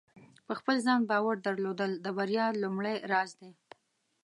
په خپل ځان باور درلودل د بریا لومړۍ راز دی.